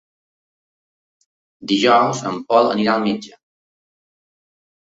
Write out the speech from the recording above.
Dijous en Pol anirà al metge.